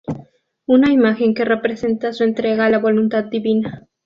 Una imagen que representa su entrega a la voluntad divina.